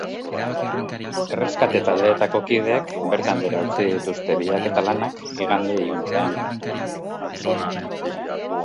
Erreskate taldeetako kideek bertan behera utzi dituzte bilaketa lanak igande iluntzean.